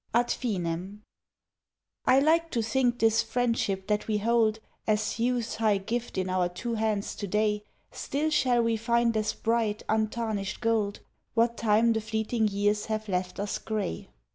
AD FINEM I like to think this friendship that we hold As youth's high gift in our two hands to day Still shall we find as bright, untarnished gold What time the fleeting years have left us grey.